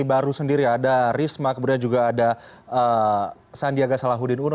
jadi baru sendiri ada risma kemudian juga ada sandiaga salahuddin uno